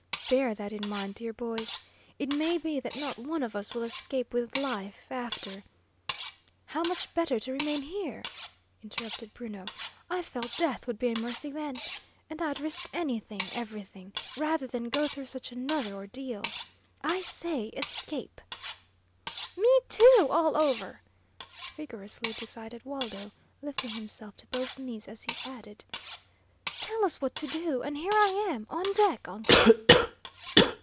"Bear that in mind, dear boys. It may be that not one of us will escape with life, after " "How much better to remain here?" interrupted Bruno. "I felt death would be a mercy then! And I'd risk anything, everything, rather than go through such another ordeal! I say, escape!" "Me too, all over!" vigorously decided Waldo, lifting himself to both knees as he added: "Tell us what to do, and here I am, on deck, uncle."